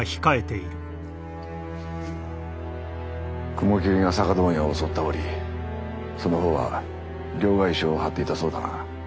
雲霧が酒問屋を襲った折その方は両替商を張っていたそうだな。